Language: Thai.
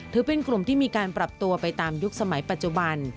ถือเป็นกลุ่มที่มีการปรับตัวไปตามยุคสมัยปัจจุบัน